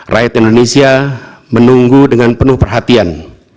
rakyat indonesia menunggu dengan penuh perhatian